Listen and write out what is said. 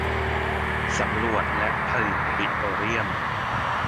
สำรวจและผลิตปิโตรเลียม